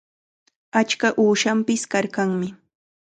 Achka uushanpis karqanmi.